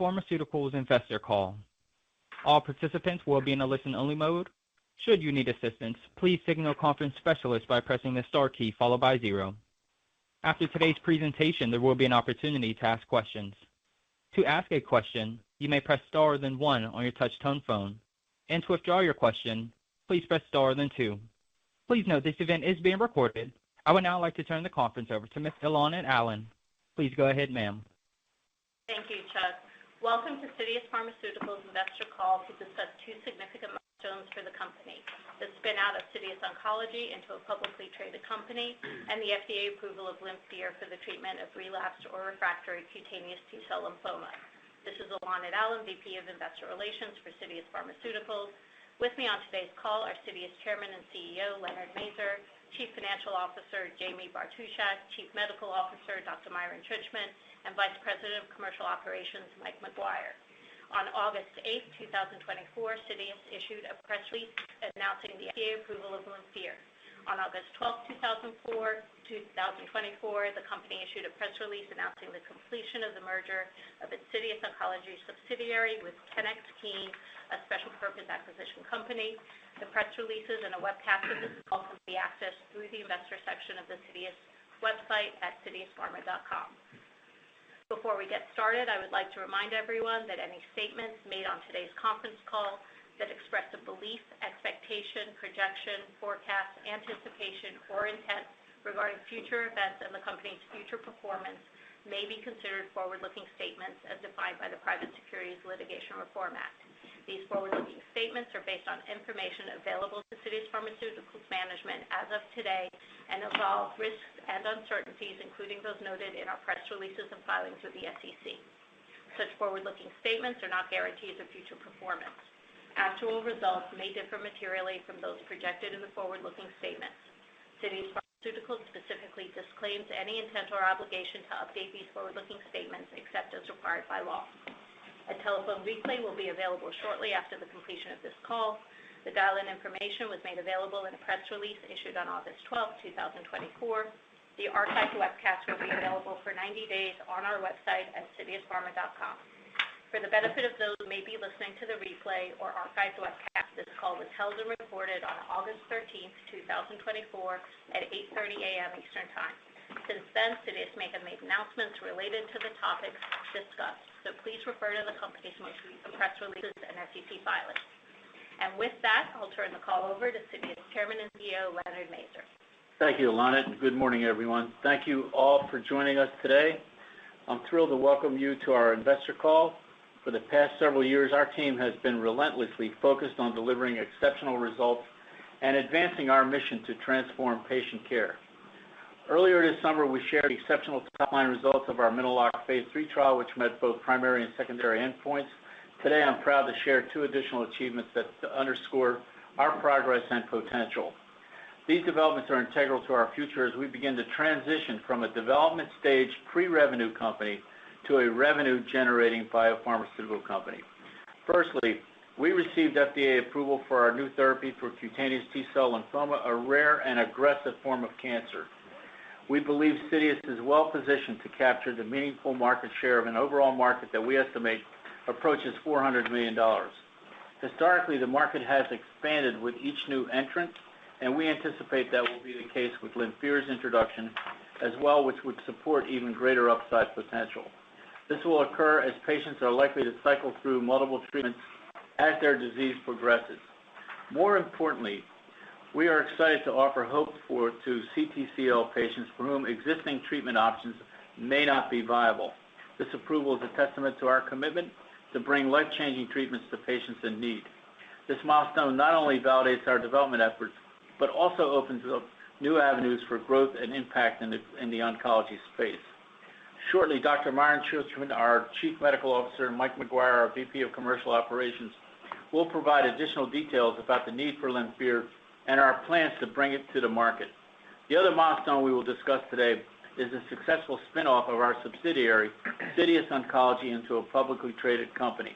Pharmaceuticals investor call. All participants will be in a listen-only mode. Should you need assistance, please signal a conference specialist by pressing the star key followed by zero. After today's presentation, there will be an opportunity to ask questions. To ask a question, you may press star, then one on your touchtone phone, and to withdraw your question, please press star, then two. Please note this event is being recorded. I would now like to turn the conference over to Ms. Ilanit Allen. Please go ahead, ma'am. Thank you, Chad. Welcome to Citius Pharmaceuticals Investor Call to discuss two significant milestones for the company, the spinout of Citius Oncology into a publicly traded company, and the FDA approval of LYMPHIR for the treatment of relapsed or refractory cutaneous T-cell lymphoma. This is Ilanit Allen, VP of Investor Relations for Citius Pharmaceuticals. With me on today's call are Citius Chairman and CEO, Leonard Mazur; Chief Financial Officer, Jaime Bartushak; Chief Medical Officer, Dr. Myron Czuczman; and Vice President of Commercial Operations, Mike McGuire. On August 8, 2024, Citius issued a press release announcing the FDA approval of LYMPHIR. On August 12, 2024, the company issued a press release announcing the completion of the merger of its Citius Oncology subsidiary with TenX Keane Acquisition, a special purpose acquisition company. The press releases and a webcast of this call can be accessed through the investor section of the Citius website at citiuspharma.com. Before we get started, I would like to remind everyone that any statements made on today's conference call that express a belief, expectation, projection, forecast, anticipation, or intent regarding future events and the company's future performance may be considered forward-looking statements as defined by the Private Securities Litigation Reform Act. These forward-looking statements are based on information available to Citius Pharmaceuticals management as of today and involve risks and uncertainties, including those noted in our press releases and filings with the SEC. Such forward-looking statements are not guarantees of future performance. Actual results may differ materially from those projected in the forward-looking statements. Citius Pharmaceuticals specifically disclaims any intent or obligation to update these forward-looking statements except as required by law. A telephone replay will be available shortly after the completion of this call. The dial-in information was made available in a press release issued on August twelfth, two thousand and twenty-four. The archived webcast will be available for 90 days on our website at citiuspharma.com. For the benefit of those who may be listening to the replay or archived webcast, this call was held and recorded on August thirteenth, two thousand and twenty-four, at 8:30 A.M. Eastern Time. Since then, Citius may have made announcements related to the topics discussed, so please refer to the company's most recent press releases and SEC filings. With that, I'll turn the call over to Citius Chairman and CEO, Leonard Mazur. Thank you, Ilanit. Good morning, everyone. Thank you all for joining us today. I'm thrilled to welcome you to our investor call. For the past several years, our team has been relentlessly focused on delivering exceptional results and advancing our mission to transform patient care. Earlier this summer, we shared exceptional top-line results of our Mino-Lok phase III trial, which met both primary and secondary endpoints. Today, I'm proud to share two additional achievements that underscore our progress and potential. These developments are integral to our future as we begin to transition from a development-stage, pre-revenue company to a revenue-generating biopharmaceutical company. Firstly, we received FDA approval for our new therapy for cutaneous T-cell lymphoma, a rare and aggressive form of cancer. We believe LYMPHIR is well-positioned to capture the meaningful market share of an overall market that we estimate approaches $400 million. Historically, the market has expanded with each new entrant, and we anticipate that will be the case with LYMPHIR's introduction as well, which would support even greater upside potential. This will occur as patients are likely to cycle through multiple treatments as their disease progresses. More importantly, we are excited to offer hope for to CTCL patients for whom existing treatment options may not be viable. This approval is a testament to our commitment to bring life-changing treatments to patients in need. This milestone not only validates our development efforts, but also opens up new avenues for growth and impact in the oncology space. Shortly, Dr. Myron Czuczman, our Chief Medical Officer, and Mike McGuire, our VP of Commercial Operations, will provide additional details about the need for LYMPHIR and our plans to bring it to the market. The other milestone we will discuss today is the successful spin-off of our subsidiary, Citius Oncology, into a publicly traded company.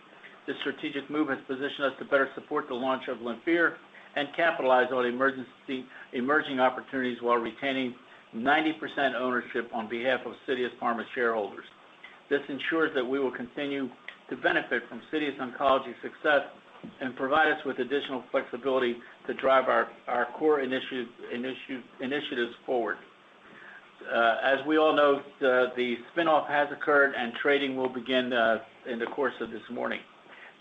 This strategic move has positioned us to better support the launch of LYMPHIR and capitalize on emerging opportunities while retaining 90% ownership on behalf of Citius Pharmaceuticals shareholders. This ensures that we will continue to benefit from Citius Oncology's success and provide us with additional flexibility to drive our core initiatives forward. As we all know, the spin-off has occurred, and trading will begin in the course of this morning.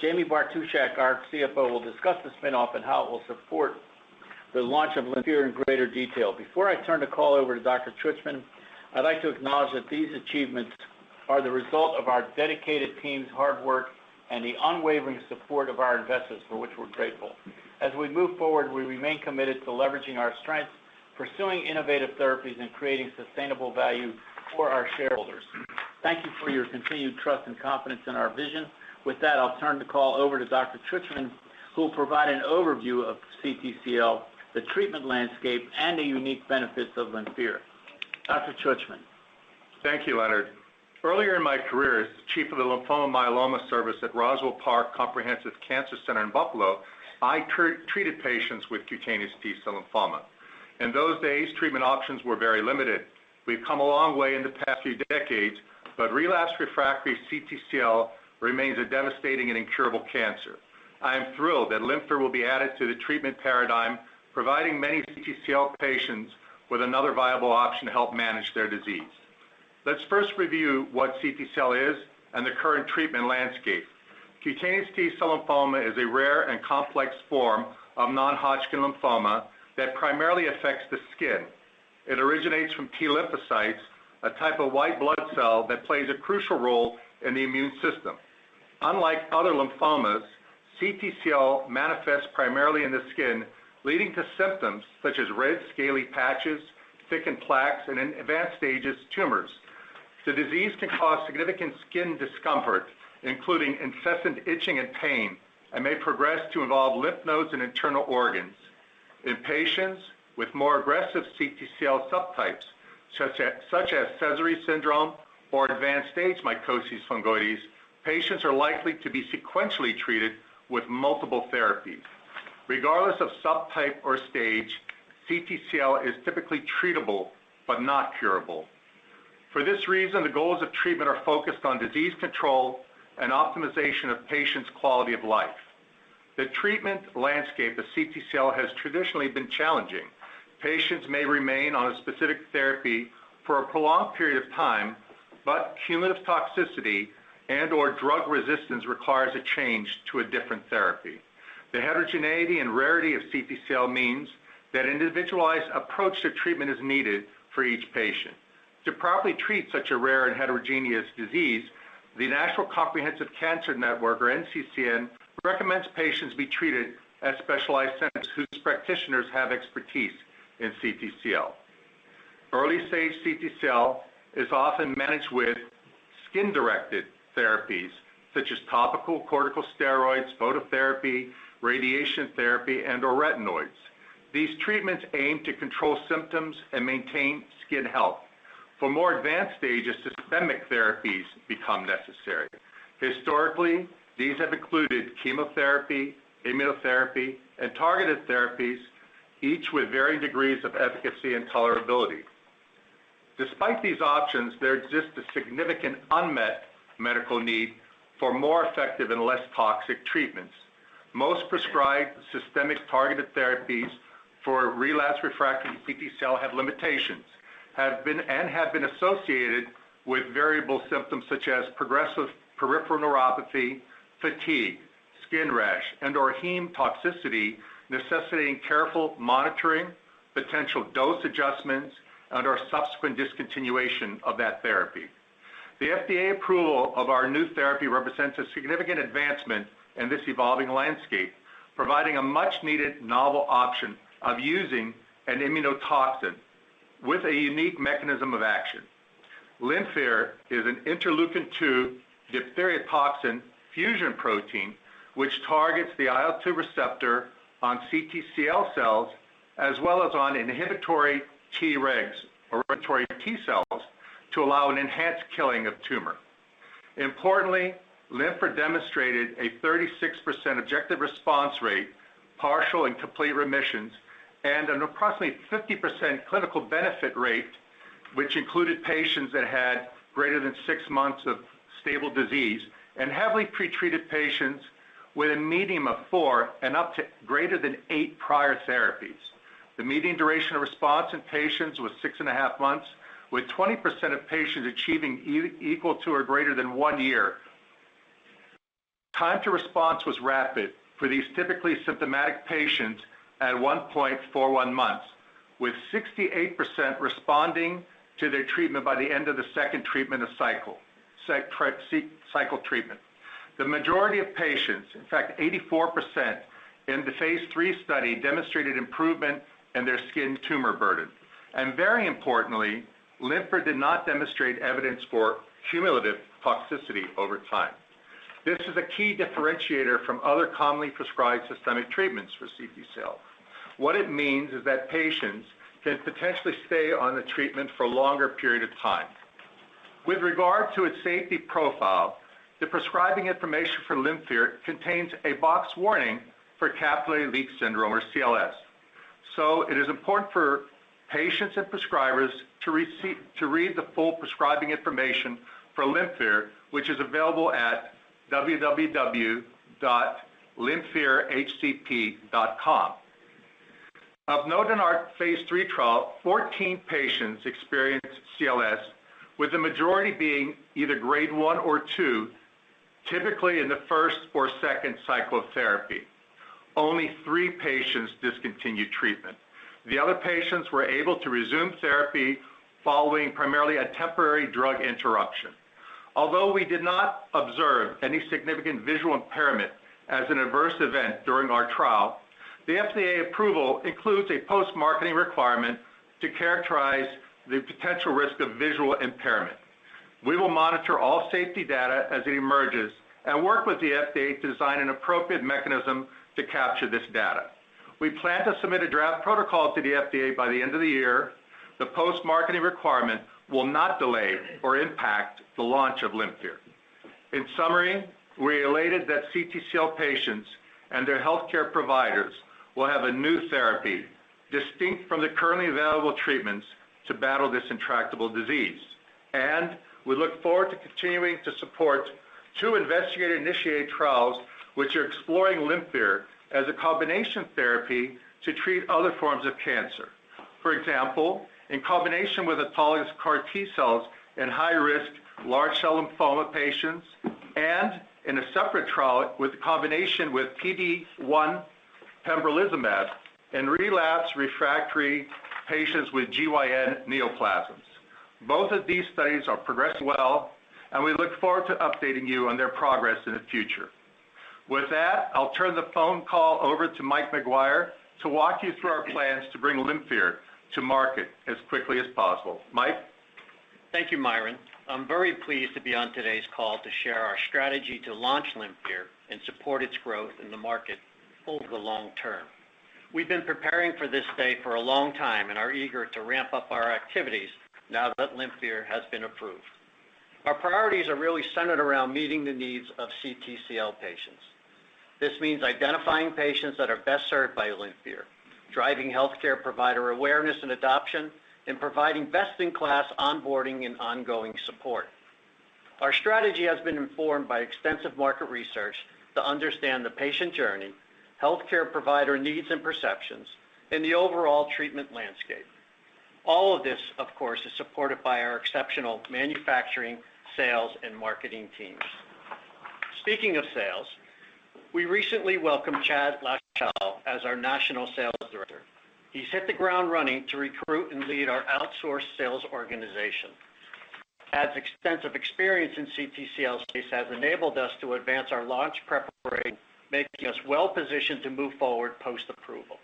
Jaime Bartushak, our CFO, will discuss the spin-off and how it will support the launch of LYMPHIR in greater detail. Before I turn the call over to Dr. Czuczman, I'd like to acknowledge that these achievements are the result of our dedicated team's hard work and the unwavering support of our investors, for which we're grateful. As we move forward, we remain committed to leveraging our strengths, pursuing innovative therapies, and creating sustainable value for our shareholders. Thank you for your continued trust and confidence in our vision. With that, I'll turn the call over to Dr. Czuczman, who will provide an overview of CTCL, the treatment landscape, and the unique benefits of LYMPHIR. Dr. Czuczman? Thank you, Leonard. Earlier in my career as the chief of the Lymphoma Myeloma Service at Roswell Park Comprehensive Cancer Center in Buffalo, I treated patients with cutaneous T-cell lymphoma. In those days, treatment options were very limited. We've come a long way in the past few decades, but relapsed/refractory CTCL remains a devastating and incurable cancer. I am thrilled that LYMPHIR will be added to the treatment paradigm, providing many CTCL patients with another viable option to help manage their disease. Let's first review what CTCL is and the current treatment landscape. Cutaneous T-cell lymphoma is a rare and complex form of non-Hodgkin lymphoma that primarily affects the skin. It originates from T lymphocytes, a type of white blood cell that plays a crucial role in the immune system. Unlike other lymphomas, CTCL manifests primarily in the skin, leading to symptoms such as red, scaly patches, thickened plaques, and in advanced stages, tumors. The disease can cause significant skin discomfort, including incessant itching and pain, and may progress to involve lymph nodes and internal organs. In patients with more aggressive CTCL subtypes, such as Sézary Syndrome or advanced-stage Mycosis Fungoides, patients are likely to be sequentially treated with multiple therapies. Regardless of subtype or stage, CTCL is typically treatable but not curable. For this reason, the goals of treatment are focused on disease control and optimization of patients' quality of life. The treatment landscape of CTCL has traditionally been challenging. Patients may remain on a specific therapy for a prolonged period of time, but cumulative toxicity and/or drug resistance requires a change to a different therapy. The heterogeneity and rarity of CTCL means that individualized approach to treatment is needed for each patient. To properly treat such a rare and heterogeneous disease, the National Comprehensive Cancer Network, or NCCN, recommends patients be treated at specialized centers whose practitioners have expertise in CTCL. Early-stage CTCL is often managed with skin-directed therapies, such as topical corticosteroids, phototherapy, radiation therapy, and/or retinoids. These treatments aim to control symptoms and maintain skin health. For more advanced stages, systemic therapies become necessary. Historically, these have included chemotherapy, immunotherapy, and targeted therapies, each with varying degrees of efficacy and tolerability. Despite these options, there exists a significant unmet medical need for more effective and less toxic treatments. Most prescribed systemic targeted therapies for relapsed/refractory CTCL have limitations, have been associated with variable symptoms such as progressive peripheral neuropathy, fatigue, skin rash, and/or heme toxicity, necessitating careful monitoring, potential dose adjustments, and/or subsequent discontinuation of that therapy. The FDA approval of our new therapy represents a significant advancement in this evolving landscape, providing a much-needed novel option of using an immunotoxin with a unique mechanism of action. LYMPHIR is an interleukin-two diphtheria toxin fusion protein, which targets the IL-2 receptor on CTCL cells, as well as on inhibitory T-regs or regulatory T cells, to allow an enhanced killing of tumor. Importantly, LYMPHIR demonstrated a 36% objective response rate, partial and complete remissions, and an approximately 50% clinical benefit rate, which included patients that had greater than 6 months of stable disease and heavily pretreated patients with a median of 4 and up to greater than 8 prior therapies. The median duration of response in patients was 6.5 months, with 20% of patients achieving equal to or greater than 1 year. Time to response was rapid for these typically symptomatic patients at 1.41 months, with 68% responding to their treatment by the end of the second cycle treatment. The majority of patients, in fact, 84% in the phase III study, demonstrated improvement in their skin tumor burden. Very importantly, LYMPHIR did not demonstrate evidence for cumulative toxicity over time. This is a key differentiator from other commonly prescribed systemic treatments for CTCL. What it means is that patients can potentially stay on the treatment for a longer period of time. With regard to its safety profile, the prescribing information for LYMPHIR contains a box warning for Capillary Leak Syndrome, or CLS. So it is important for patients and prescribers to read the full prescribing information for LYMPHIR, which is available at www.lynfirhcp.com. Of note, in our phase III trial, 14 patients experienced CLS, with the majority being either Grade I or II, typically in the first or second cycle of therapy. Only three patients discontinued treatment. The other patients were able to resume therapy following primarily a temporary drug interruption. Although we did not observe any significant visual impairment as an adverse event during our trial, the FDA approval includes a post-marketing requirement to characterize the potential risk of visual impairment. We will monitor all safety data as it emerges and work with the FDA to design an appropriate mechanism to capture this data. We plan to submit a draft protocol to the FDA by the end of the year. The post-marketing requirement will not delay or impact the launch of LYMPHIR.... In summary, we are elated that CTCL patients and their healthcare providers will have a new therapy, distinct from the currently available treatments, to battle this intractable disease. We look forward to continuing to support two investigator-initiated trials, which are exploring LYMPHIR as a combination therapy to treat other forms of cancer. For example, in combination with autologous CAR T-cells in high-risk large cell lymphoma patients, and in a separate trial, with a combination with PD-1 pembrolizumab in relapse refractory patients with GYN neoplasms. Both of these studies are progressing well, and we look forward to updating you on their progress in the future. With that, I'll turn the phone call over to Mike McGuire to walk you through our plans to bring LYMPHIR to market as quickly as possible. Mike? Thank you, Myron. I'm very pleased to be on today's call to share our strategy to launch LYMPHIR and support its growth in the market over the long term. We've been preparing for this day for a long time and are eager to ramp up our activities now that LYMPHIR has been approved. Our priorities are really centered around meeting the needs of CTCL patients. This means identifying patients that are best served by LYMPHIR, driving healthcare provider awareness and adoption, and providing best-in-class onboarding and ongoing support. Our strategy has been informed by extensive market research to understand the patient journey, healthcare provider needs and perceptions, and the overall treatment landscape. All of this, of course, is supported by our exceptional manufacturing, sales, and marketing teams. Speaking of sales, we recently welcomed Chad LaCour as our National Sales Director. He's hit the ground running to recruit and lead our outsourced sales organization. Chad's extensive experience in CTCL space has enabled us to advance our launch preparation, making us well-positioned to move forward post-approval.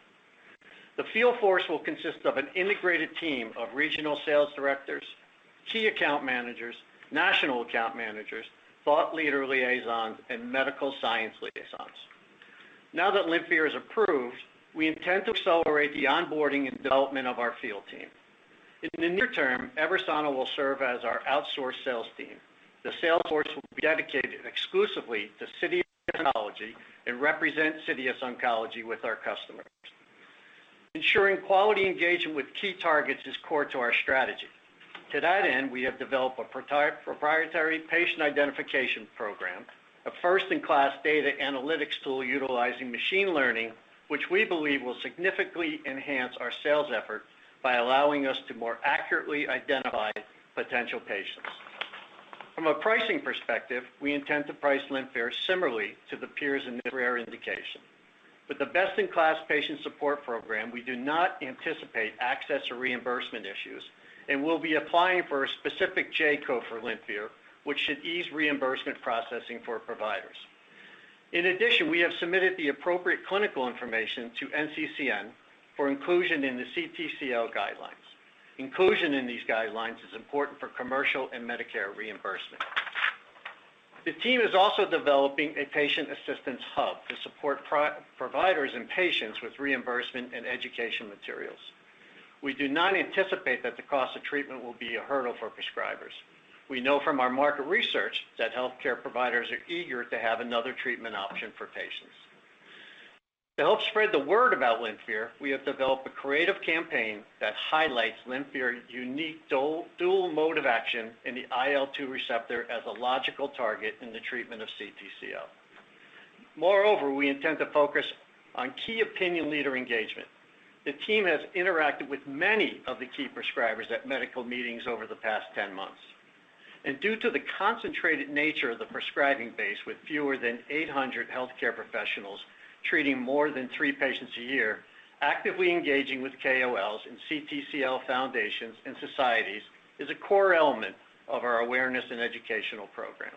The field force will consist of an integrated team of regional sales directors, key account managers, national account managers, thought leader liaisons, and medical science liaisons. Now that LYMPHIR is approved, we intend to accelerate the onboarding and development of our field team. In the near term, EVERSANA will serve as our outsourced sales team. The sales force will be dedicated exclusively to Citius Oncology and represent Citius Oncology with our customers. Ensuring quality engagement with key targets is core to our strategy. To that end, we have developed a proprietary patient identification program, a first-in-class data analytics tool utilizing machine learning, which we believe will significantly enhance our sales effort by allowing us to more accurately identify potential patients. From a pricing perspective, we intend to price LYMPHIR similarly to the peers in the rare indication. With the best-in-class patient support program, we do not anticipate access or reimbursement issues, and we'll be applying for a specific J-code for LYMPHIR, which should ease reimbursement processing for providers. In addition, we have submitted the appropriate clinical information to NCCN for inclusion in the CTCL guidelines. Inclusion in these guidelines is important for commercial and Medicare reimbursement. The team is also developing a patient assistance hub to support providers and patients with reimbursement and education materials. We do not anticipate that the cost of treatment will be a hurdle for prescribers. We know from our market research that healthcare providers are eager to have another treatment option for patients. To help spread the word about LYMPHIR, we have developed a creative campaign that highlights LYMPHIR's unique dual, dual mode of action in the IL-2 receptor as a logical target in the treatment of CTCL. Moreover, we intend to focus on key opinion leader engagement. The team has interacted with many of the key prescribers at medical meetings over the past 10 months. Due to the concentrated nature of the prescribing base, with fewer than 800 healthcare professionals treating more than 3 patients a year, actively engaging with KOLs and CTCL foundations and societies is a core element of our awareness and educational program.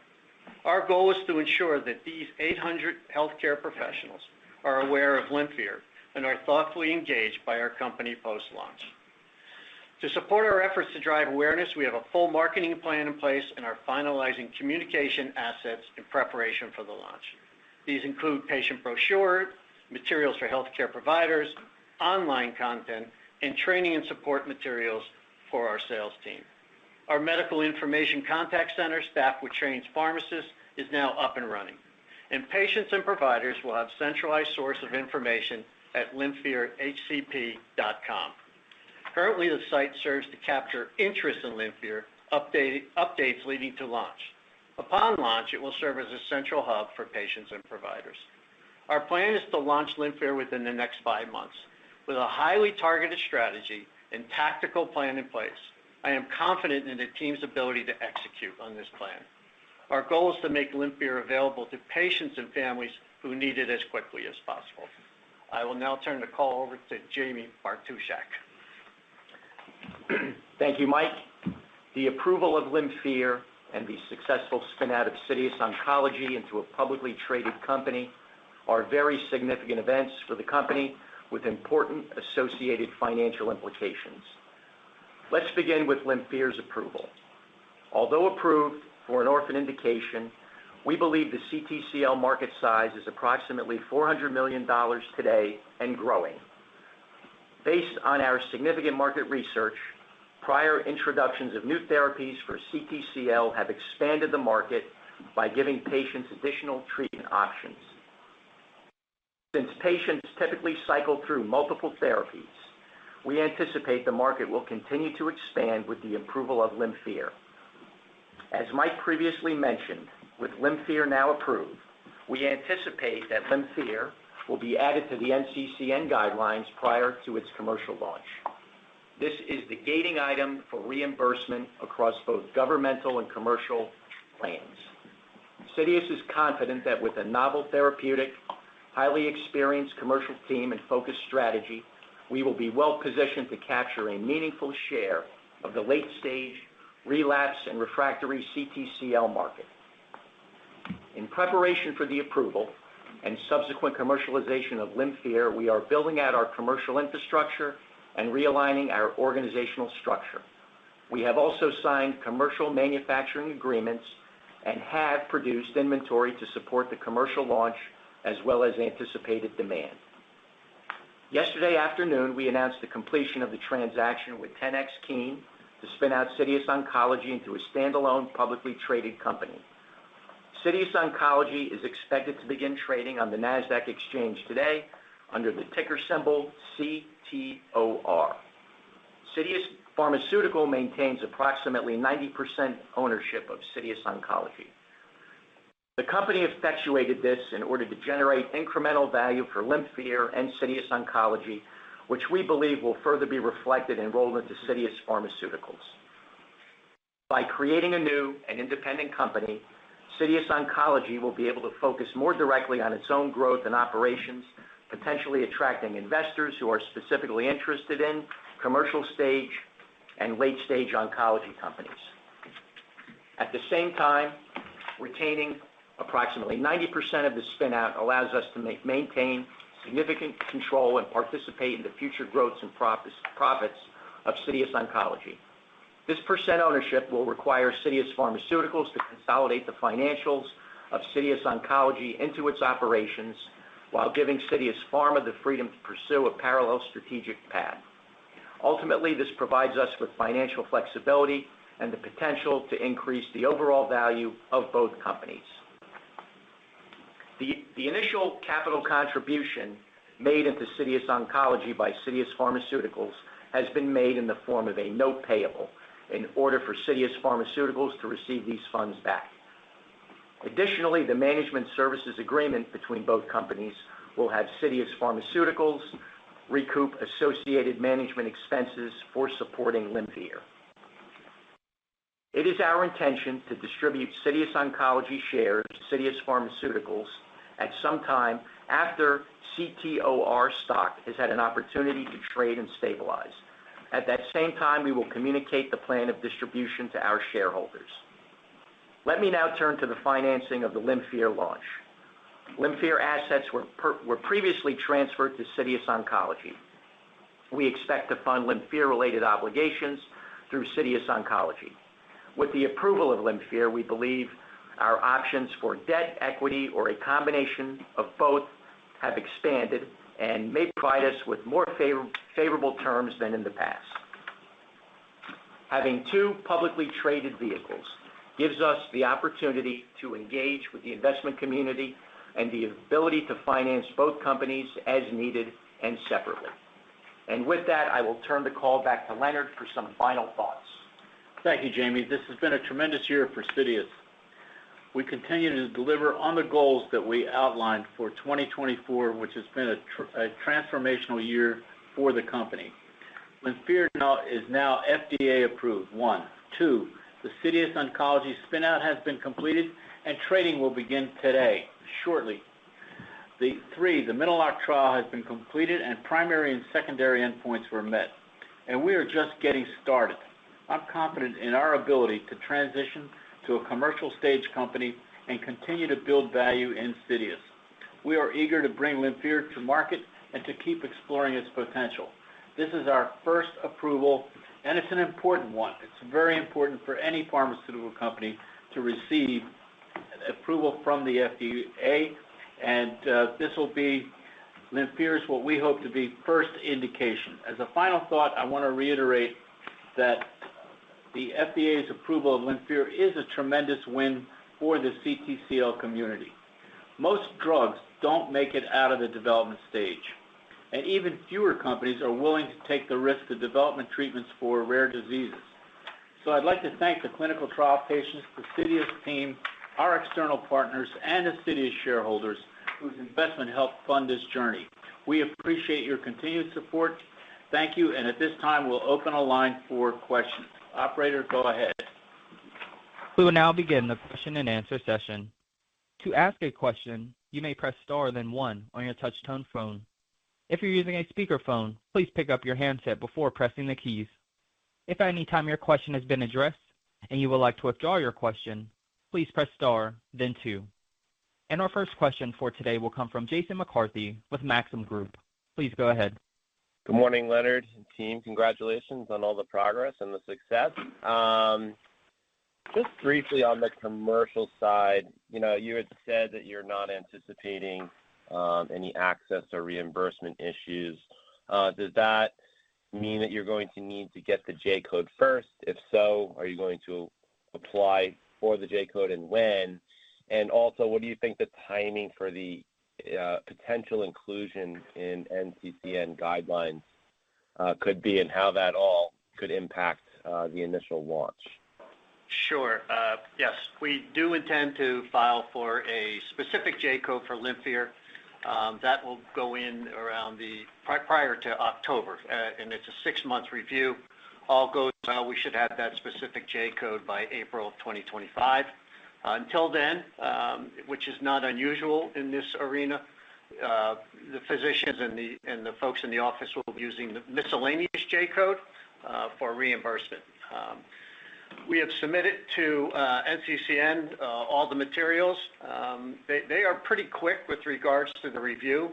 Our goal is to ensure that these 800 healthcare professionals are aware of LYMPHIR and are thoughtfully engaged by our company post-launch. To support our efforts to drive awareness, we have a full marketing plan in place and are finalizing communication assets in preparation for the launch. These include patient brochures, materials for healthcare providers, online content, and training and support materials for our sales team. Our medical information contact center staff, with trained pharmacists, is now up and running, and patients and providers will have centralized source of information at LYMPHIRhcp.com. Currently, the site serves to capture interest in LYMPHIR, updates leading to launch. Upon launch, it will serve as a central hub for patients and providers. Our plan is to launch LYMPHIR within the next five months. With a highly targeted strategy and tactical plan in place, I am confident in the team's ability to execute on this plan. Our goal is to make LYMPHIR available to patients and families who need it as quickly as possible. I will now turn the call over to Jaime Bartushak. Thank you, Mike. The approval of LYMPHIR and the successful spin-out of Citius Oncology into a publicly traded company are very significant events for the company, with important associated financial implications. Let's begin with LYMPHIR's approval. Although approved for an orphan indication, we believe the CTCL market size is approximately $400 million today and growing. ...Based on our significant market research, prior introductions of new therapies for CTCL have expanded the market by giving patients additional treatment options. Since patients typically cycle through multiple therapies, we anticipate the market will continue to expand with the approval of LYMPHIR. As Mike previously mentioned, with LYMPHIR now approved, we anticipate that LYMPHIR will be added to the NCCN guidelines prior to its commercial launch. This is the gating item for reimbursement across both governmental and commercial plans. Citius is confident that with a novel therapeutic, highly experienced commercial team, and focused strategy, we will be well-positioned to capture a meaningful share of the late-stage relapse and refractory CTCL market. In preparation for the approval and subsequent commercialization of LYMPHIR, we are building out our commercial infrastructure and realigning our organizational structure. We have also signed commercial manufacturing agreements and have produced inventory to support the commercial launch, as well as anticipated demand. Yesterday afternoon, we announced the completion of the transaction with TenX Keane to spin out Citius Oncology into a standalone, publicly traded company. Citius Oncology is expected to begin trading on the Nasdaq exchange today under the ticker symbol CTOR. Citius Pharmaceuticals maintains approximately 90% ownership of Citius Oncology. The company effectuated this in order to generate incremental value for LYMPHIR and Citius Oncology, which we believe will further be reflected in enrollment to Citius Pharmaceuticals. By creating a new and independent company, Citius Oncology will be able to focus more directly on its own growth and operations, potentially attracting investors who are specifically interested in commercial-stage and late-stage oncology companies. At the same time, retaining approximately 90% of the spin-out allows us to maintain significant control and participate in the future growth and profits of Citius Oncology. This percent ownership will require Citius Pharmaceuticals to consolidate the financials of Citius Oncology into its operations, while giving Citius Pharma the freedom to pursue a parallel strategic path. Ultimately, this provides us with financial flexibility and the potential to increase the overall value of both companies. The initial capital contribution made into Citius Oncology by Citius Pharmaceuticals has been made in the form of a note payable in order for Citius Pharmaceuticals to receive these funds back. Additionally, the management services agreement between both companies will have Citius Pharmaceuticals recoup associated management expenses for supporting LYMPHIR. It is our intention to distribute Citius Oncology shares to Citius Pharmaceuticals at some time after CTOR stock has had an opportunity to trade and stabilize. At that same time, we will communicate the plan of distribution to our shareholders. Let me now turn to the financing of the LYMPHIR launch. LYMPHIR assets were previously transferred to Citius Oncology. We expect to fund LYMPHIR-related obligations through Citius Oncology. With the approval of LYMPHIR, we believe our options for debt, equity, or a combination of both, have expanded and may provide us with more favorable terms than in the past. Having two publicly traded vehicles gives us the opportunity to engage with the investment community and the ability to finance both companies as needed and separately. And with that, I will turn the call back to Leonard for some final thoughts. Thank you, Jamie. This has been a tremendous year for Citius. We continue to deliver on the goals that we outlined for 2024, which has been a transformational year for the company. LYMPHIR now is now FDA approved, one. Two, the Citius Oncology spin-out has been completed, and trading will begin today, shortly. Three, the Mino-Lok trial has been completed, and primary and secondary endpoints were met, and we are just getting started. I'm confident in our ability to transition to a commercial-stage company and continue to build value in Citius. We are eager to bring LYMPHIR to market and to keep exploring its potential. This is our first approval, and it's an important one. It's very important for any pharmaceutical company to receive approval from the FDA, and this will be, LYMPHIR is what we hope to be first indication. As a final thought, I want to reiterate that the FDA's approval of LYMPHIR is a tremendous win for the CTCL community. Most drugs don't make it out of the development stage, and even fewer companies are willing to take the risk of development treatments for rare diseases. So I'd like to thank the clinical trial patients, the Citius team, our external partners, and the Citius shareholders whose investment helped fund this journey. We appreciate your continued support. Thank you. At this time, we'll open a line for questions. Operator, go ahead. We will now begin the question and answer session. To ask a question, you may press star then one on your touchtone phone. If you're using a speakerphone, please pick up your handset before pressing the keys. If at any time your question has been addressed and you would like to withdraw your question, please press star then two. Our first question for today will come from Jason McCarthy with Maxim Group. Please go ahead. Good morning, Leonard and team. Congratulations on all the progress and the success. Just briefly on the commercial side, you know, you had said that you're not anticipating any access or reimbursement issues. Does that mean that you're going to need to get the J-code first? If so, are you going to apply for the J-code, and when? And also, what do you think the timing for the potential inclusion in NCCN guidelines could be, and how that all could impact the initial launch? Sure. Yes, we do intend to file for a specific J-code for LYMPHIR. That will go in around the prior to October, and it's a 6-month review. All goes well, we should have that specific J-code by April of 2025. Until then, which is not unusual in this arena, the physicians and the, and the folks in the office will be using the miscellaneous J-code for reimbursement. We have submitted to NCCN all the materials. They are pretty quick with regards to the review.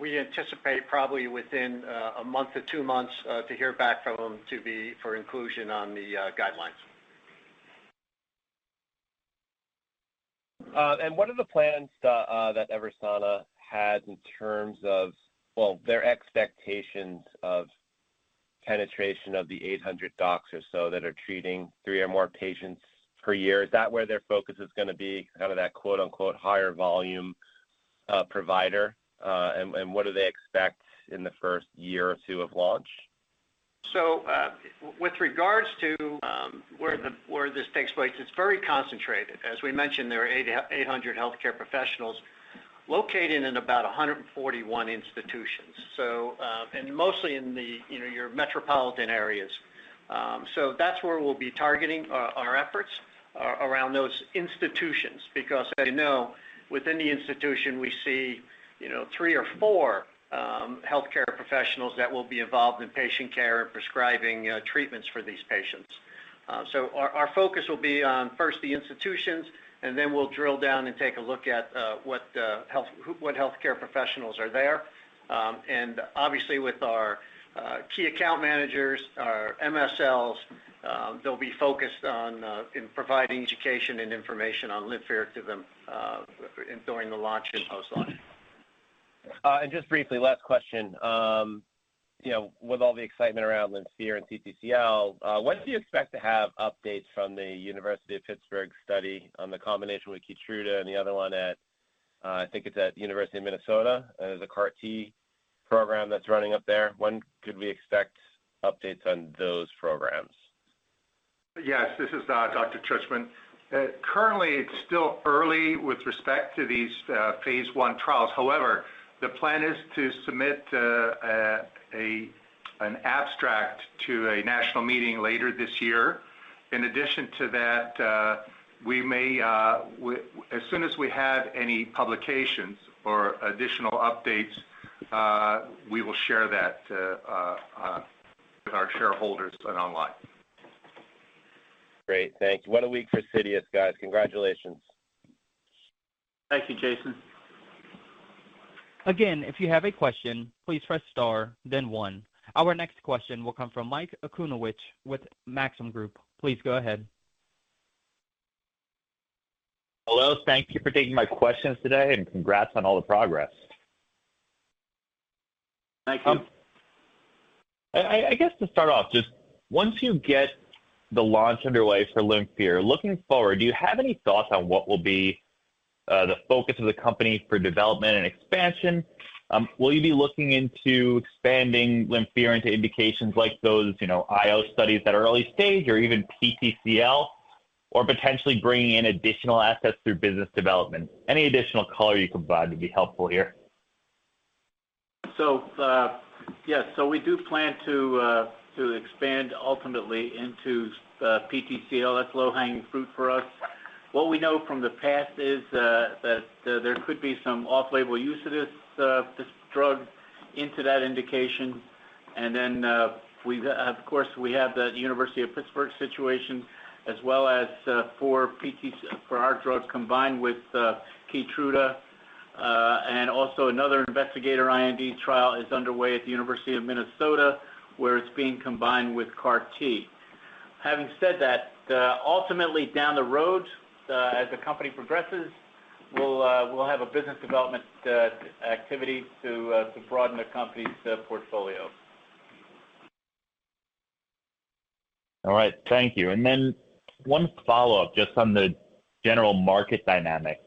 We anticipate probably within a month to 2 months to hear back from them to be for inclusion on the guidelines. And what are the plans that EVERSANA had in terms of, well, their expectations of penetration of the 800 docs or so that are treating three or more patients per year? Is that where their focus is gonna be, out of that, quote-unquote, "higher volume," provider? And what do they expect in the first year or two of launch? So, with regards to where this takes place, it's very concentrated. As we mentioned, there are 800 healthcare professionals located in about 141 institutions. So, and mostly in the, you know, your metropolitan areas. So that's where we'll be targeting our efforts around those institutions, because, as you know, within the institution, we see, you know, three or four healthcare professionals that will be involved in patient care and prescribing treatments for these patients. So our focus will be on, first, the institutions, and then we'll drill down and take a look at what healthcare professionals are there. And obviously, with our key account managers, our MSLs, they'll be focused on in providing education and information on LYMPHIR to them during the launch and post-launch. Just briefly, last question: You know, with all the excitement around LYMPHIR and CTCL, when do you expect to have updates from the University of Pittsburgh study on the combination with Keytruda and the other one at, I think it's at University of Minnesota, the CAR T program that's running up there? When could we expect updates on those programs? Yes, this is Dr. Czuczman. Currently, it's still early with respect to these phase one trials. However, the plan is to submit an abstract to a national meeting later this year. In addition to that, we may as soon as we have any publications or additional updates, we will share that with our shareholders and online. Great. Thank you. What a week for Citius, guys. Congratulations. Thank you, Jason. Again, if you have a question, please press star then one. Our next question will come from Mike Okunewitch with Maxim Group. Please go ahead. Hello, thank you for taking my questions today, and congrats on all the progress. Thank you. I guess to start off, just once you get the launch underway for LYMPHIR, looking forward, do you have any thoughts on what will be the focus of the company for development and expansion? Will you be looking into expanding LYMPHIR into indications like those, you know, IO studies that are early stage or even PTCL, or potentially bringing in additional assets through business development? Any additional color you can provide would be helpful here. So, yes, so we do plan to expand ultimately into PTCL. That's low-hanging fruit for us. What we know from the past is that there could be some off-label use of this drug into that indication. And then, of course, we have the University of Pittsburgh situation as well as for PTCL for our drug combined with Keytruda. And also another investigator IND trial is underway at the University of Minnesota, where it's being combined with CAR T. Having said that, ultimately down the road, as the company progresses, we'll have a business development activity to broaden the company's portfolio. All right, thank you. And then one follow-up just on the general market dynamic.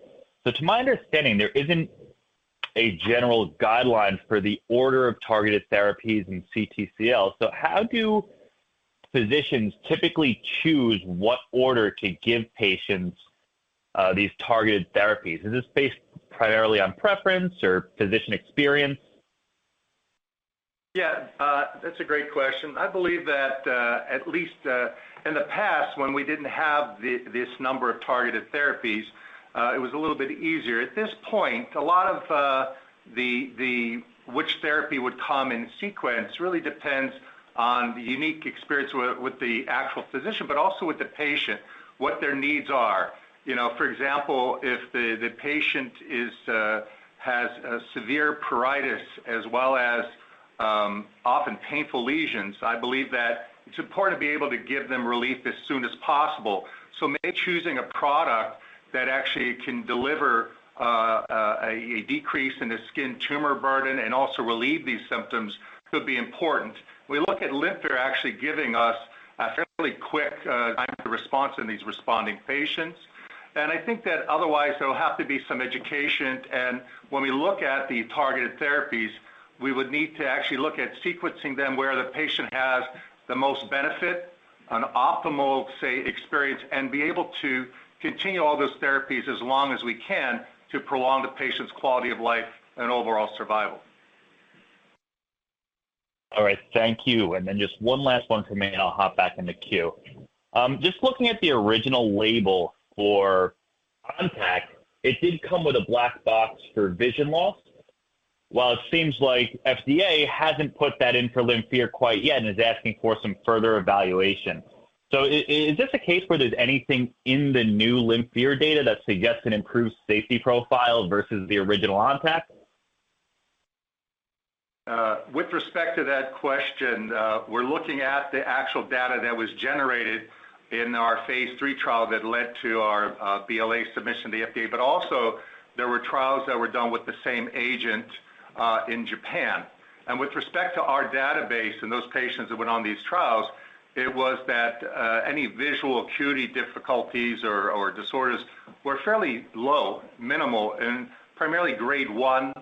So to my understanding, there isn't a general guideline for the order of targeted therapies in CTCL. So how do physicians typically choose what order to give patients, these targeted therapies? Is this based primarily on preference or physician experience? Yeah, that's a great question. I believe that, at least, in the past, when we didn't have this number of targeted therapies, it was a little bit easier. At this point, a lot of, which therapy would come in sequence really depends on the unique experience with the actual physician, but also with the patient, what their needs are. You know, for example, if the patient has a severe pruritus as well as often painful lesions, I believe that it's important to be able to give them relief as soon as possible. So maybe choosing a product that actually can deliver a decrease in the skin tumor burden and also relieve these symptoms could be important. We look at LYMPHIR actually giving us a fairly quick time to response in these responding patients. I think that otherwise, there will have to be some education, and when we look at the targeted therapies, we would need to actually look at sequencing them where the patient has the most benefit, an optimal, say, experience, and be able to continue all those therapies as long as we can to prolong the patient's quality of life and overall survival. All right. Thank you. And then just one last one from me, and I'll hop back in the queue. Just looking at the original label for Ontak, it did come with a black box for vision loss. While it seems like FDA hasn't put that in for LYMPHIR quite yet and is asking for some further evaluation. So is this a case where there's anything in the new LYMPHIR data that suggests an improved safety profile versus the original Ontak? With respect to that question, we're looking at the actual data that was generated in our phase 3 trial that led to our BLA submission to the FDA. But also, there were trials that were done with the same agent in Japan. And with respect to our database and those patients that went on these trials, it was that any visual acuity difficulties or disorders were fairly low, minimal, and primarily grade 1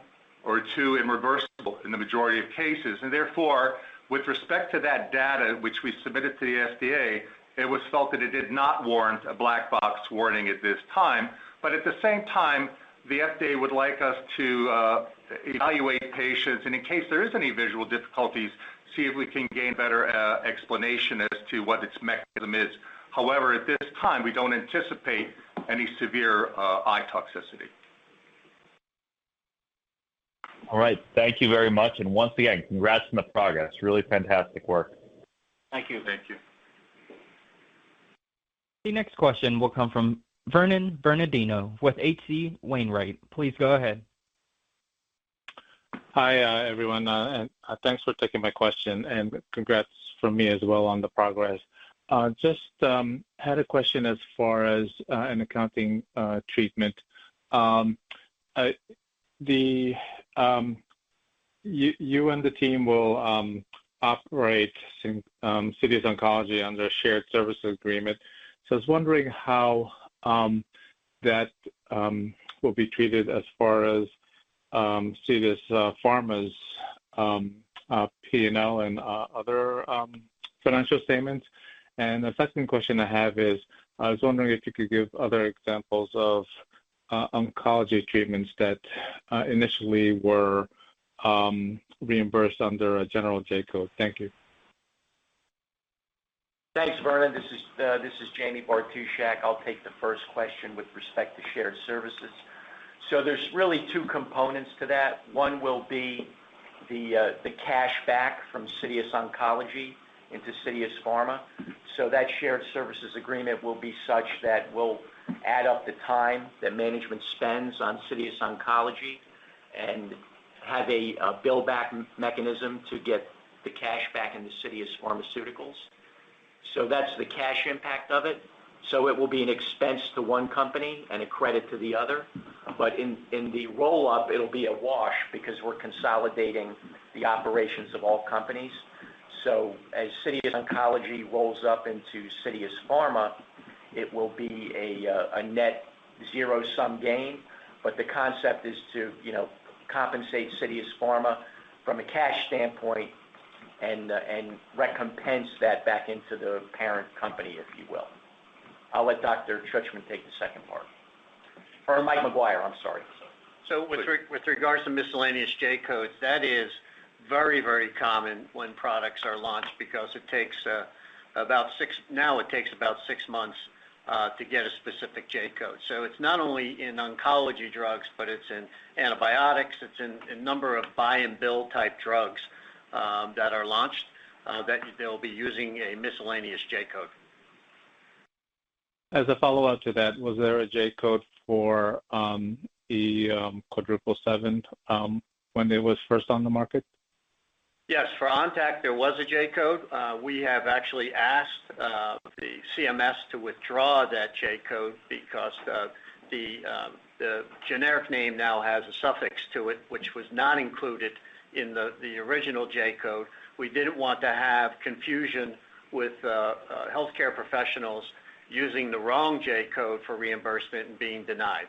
or 2, and reversible in the majority of cases. And therefore, with respect to that data, which we submitted to the FDA, it was felt that it did not warrant a black box warning at this time. But at the same time, the FDA would like us to evaluate patients, and in case there is any visual difficulties, see if we can gain better explanation as to what its mechanism is. However, at this time, we don't anticipate any severe eye toxicity. All right. Thank you very much, and once again, congrats on the progress. Really fantastic work. Thank you. Thank you. The next question will come from Vernon Bernardino with H.C. Wainwright. Please go ahead. Hi, everyone, and thanks for taking my question, and congrats from me as well on the progress. Just had a question as far as an accounting treatment. You and the team will operate Citius Oncology under a shared service agreement. So I was wondering how that will be treated as far as Citius Pharma's P&L and other financial statements. And the second question I have is, I was wondering if you could give other examples of oncology treatments that initially were reimbursed under a general J-code. Thank you. Thanks, Vernon. This is, this is Jaime Bartushak. I'll take the first question with respect to shared services. So there's really two components to that. One will be the, the cash back from Citius Oncology into Citius Pharmaceuticals. So that shared services agreement will be such that we'll add up the time that management spends on Citius Oncology and have a, a bill-back mechanism to get the cash back into Citius Pharmaceuticals. So that's the cash impact of it. So it will be an expense to one company and a credit to the other, but in, in the roll-up, it'll be a wash because we're consolidating the operations of all companies. So as Citius Oncology rolls up into Citius Pharmaceuticals, it will be a, a net zero-sum game. But the concept is to, you know, compensate Citius Pharma from a cash standpoint and, and recompense that back into the parent company, if you will. I'll let Dr. Czuczman take the second part. Or Mike McGuire, I'm sorry. So with regards to miscellaneous J-codes, that is very, very common when products are launched because it takes about six months to get a specific J-code. So it's not only in oncology drugs, but it's in antibiotics, it's in a number of buy-and-bill type drugs that are launched that they'll be using a miscellaneous J-code. As a follow-up to that, was there a J code for the quadruple seven when it was first on the market? Yes, for ONTAK, there was a J code. We have actually asked the CMS to withdraw that J code because the generic name now has a suffix to it, which was not included in the original J code. We didn't want to have confusion with healthcare professionals using the wrong J code for reimbursement and being denied.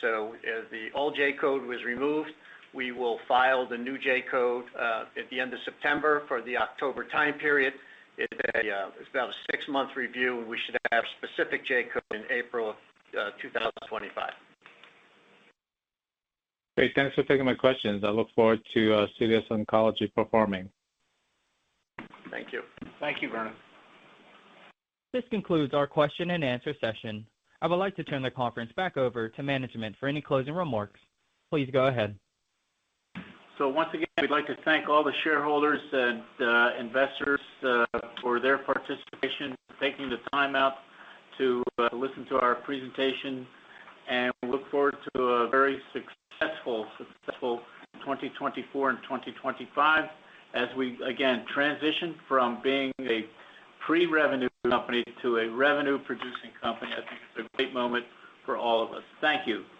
So, the old J code was removed. We will file the new J code at the end of September for the October time period. It's a, it's about a six-month review, and we should have a specific J code in April of 2025. Great. Thanks for taking my questions. I look forward to, Citius Oncology performing. Thank you. Thank you, Vernon. This concludes our question and answer session. I would like to turn the conference back over to management for any closing remarks. Please go ahead. So once again, we'd like to thank all the shareholders and investors for their participation, taking the time out to listen to our presentation, and we look forward to a very successful, successful 2024 and 2025 as we again transition from being a pre-revenue company to a revenue-producing company. I think it's a great moment for all of us. Thank you.